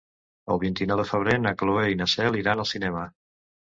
El vint-i-nou de febrer na Cloè i na Cel iran al cinema.